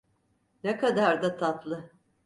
Ne kadar da tatlı.